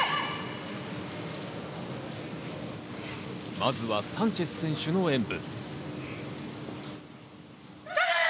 まずはサンチェス選手の演武。